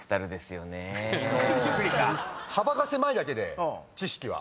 幅が狭いだけで知識は。